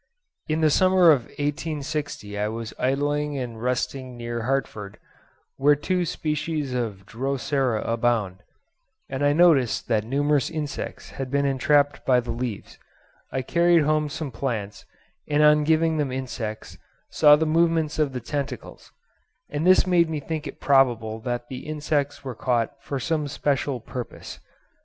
In the summer of 1860 I was idling and resting near Hartfield, where two species of Drosera abound; and I noticed that numerous insects had been entrapped by the leaves. I carried home some plants, and on giving them insects saw the movements of the tentacles, and this made me think it probable that the insects were caught for some special purpose.